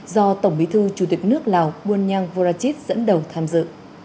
do tổng bí thư chủ tịch nước lào buôn nhang vorachit dẫn đầu tham dự